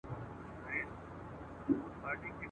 ښځه که په کلا کي زنداني کړې